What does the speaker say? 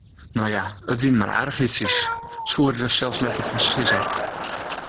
No ja, it wiene mar aardichheidsjes, soe er der sels letter fan sizze.